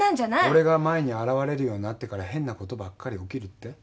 俺が前に現れるようになってから変なことばっかり起きるって？